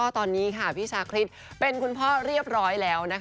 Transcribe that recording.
ตอนนี้พี่ชาคริสเป็นคุณพ่อเรียบร้อยแล้ว